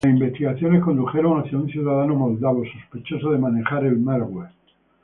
Las investigaciones condujeron hacia un ciudadano moldavo sospechoso de manejar el "malware".